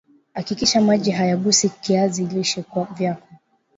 hakikisha maji hayagusi kiazi lishe vyako